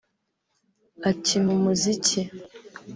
Ati “Mu muziki